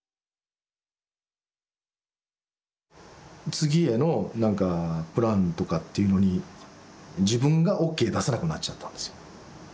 次へのなんかプランとかっていうのに自分がＯＫ出さなくなっちゃったんですよ。